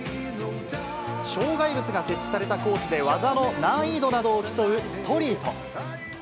障害物が設置されたコースで、技の難易度などを競うストリート。